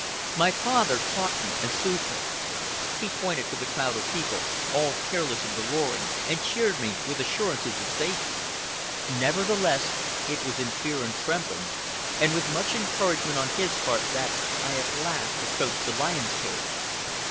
My father caught me and soothed me. He pointed to the crowd of people, all careless of the roaring, and cheered me with assurances of safety. Nevertheless, it was in fear and trembling, and with much encouragement on his part, that I at last approached the lion's cage.